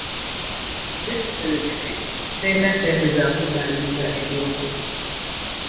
Disitulikiti terina ssente za kuddaabiriza enguudo.